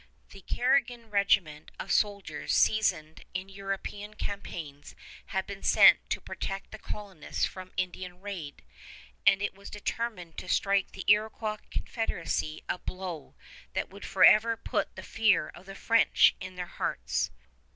The Carignan Regiment of soldiers seasoned in European campaigns had been sent to protect the colonists from Indian raid; and it was determined to strike the Iroquois Confederacy a blow that would forever put the fear of the French in their hearts.